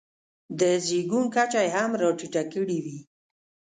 د زېږون کچه یې هم راټیټه کړې وي.